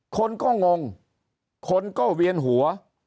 คนก็งงคนก็เวียนหัว